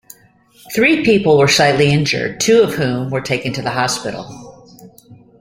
Three people were slightly injured, two of whom were taken to the hospital.